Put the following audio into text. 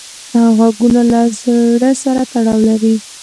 غوږونه له زړه سره تړاو لري